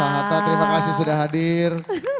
bang hatta terima kasih sudah hadir